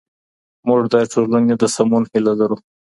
موږ د ټولني د سمون هيله لرو.